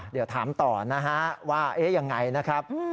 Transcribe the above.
เดี๋ยวถามต่อนะฮะว่าเอ๊ะยังไงนะครับ